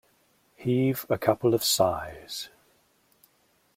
Heave a couple of sighs.